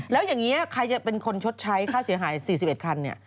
แล้วอย่างนี้ใครจะเป็นคนชดใช้ค่าเสียหาย๔๑คัน